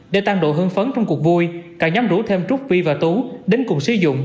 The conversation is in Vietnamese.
để tăng độ hương phấn trong cuộc vui cả nhóm rủ thêm trúc vi và tú đến cùng sử dụng